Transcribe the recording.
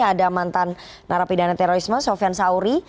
ada mantan narapidana terorisme sofyan sauri